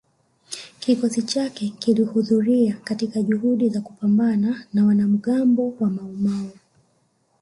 kikosi chake kilihudhuria katika juhudi za kupambana na wanamgambo wa Maumau